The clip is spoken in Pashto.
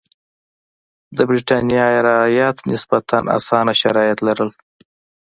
د برېټانیا رعیت نسبتا اسانه شرایط لرل.